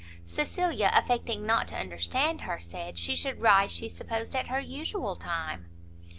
Cecilia, affecting not to understand her, said she should rise, she supposed, at her usual time.